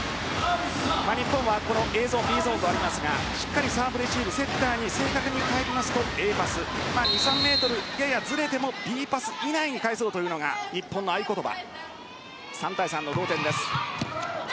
日本はＡゾーンＢゾーンとありますがしっかりサーブレシーブセッターに正確に返るとＡパス、２３ｍずれてもＢパス以内に返そうというのが日本の合言葉。